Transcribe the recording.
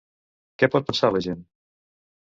Què pot pensar la gent?